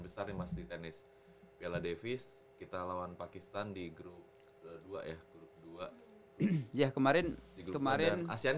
besar yang masih tenis piala davis kita lawan pakistan di grup kedua ya kemarin kemarin asian